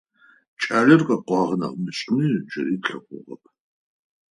Кӏалэр къэкӏуагъ нахь мышӏэми, джыри тлъэгъугъэп.